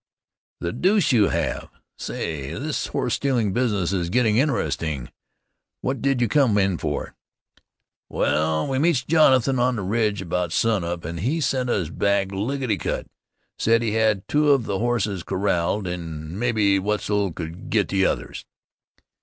"The deuce you have! Say, this horse stealing business is getting interesting. What did you come in for?" "Wal, we meets Jonathan on the ridge about sunup, an' he sent us back lickety cut. Said he had two of the hosses corralled, an' mebbe Wetzel could git the others."